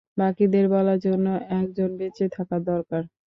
বাকিদের বলার জন্য একজন বেঁচে থাকা দরকার।